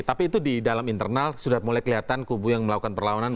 tapi itu di dalam internal sudah mulai kelihatan kubu yang melakukan perlawanan